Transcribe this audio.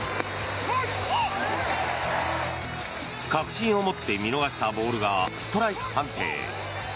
確信を持って見逃したボールがストライク判定。